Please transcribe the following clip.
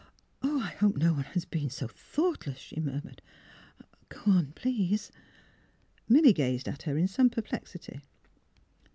*' Oh, I hope no one has been so thoughtless," she murmured. " Go on, please." Milly gazed at her in some perplexity.